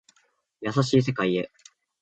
優しい世界へ